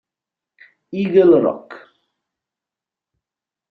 Eagle Rock